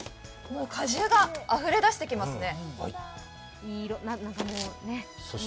果汁があふれ出してきますね。